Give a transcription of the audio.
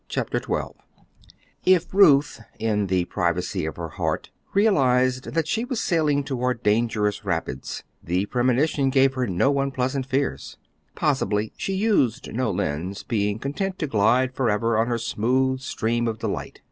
Chapter XII If Ruth, in the privacy of her heart, realized that she was sailing toward dangerous rapids, the premonition gave her no unpleasant fears. Possibly she used no lens, being content to glide forever on her smooth stream of delight.